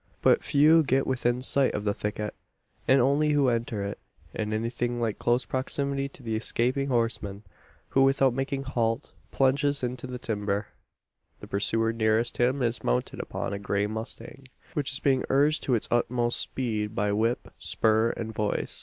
But few get within sight of the thicket; and only two enter it, in anything like close proximity to the escaping horseman; who, without making halt, plunges into the timber. The pursuer nearest him is mounted upon a grey mustang; which is being urged to its utmost speed by whip, spur, and voice.